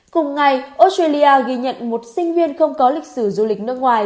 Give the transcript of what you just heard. cùng ngày australia ghi nhận một sinh viên không có lịch sử du lịch nước ngoài